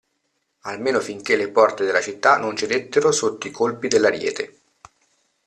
Almeno finché le porte della città non cedettero sotto i colpi dell'ariete.